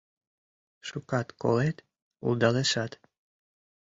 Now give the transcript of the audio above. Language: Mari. Шукат колет улдалешат